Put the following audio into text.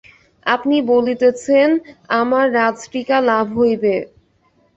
আপনি বলিতেছেন আমার রাজটিকা লাভ হইবে?